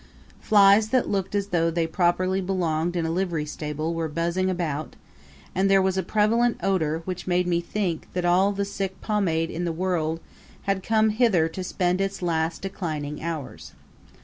Flies that looked as though they properly belonged in a livery stable were buzzing about; and there was a prevalent odor which made me think that all the sick pomade in the world had come hither to spend its last declining hours.